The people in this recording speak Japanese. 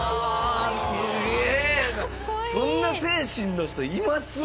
すげえなそんな精神の人います？